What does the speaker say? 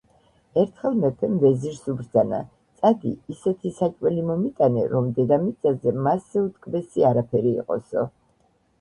ერთხელ მეფემ ვეზირს უბრძანა: წადი, ისეთი საჭმელი მომიტანე, რომ დედამიწაზე მასზე უტკბესი არაფერი იყოსო